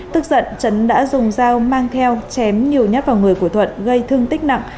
tức giận chấn đã dùng dao mang theo chém nhiều nhát vào người của thuận gây thương tích nặng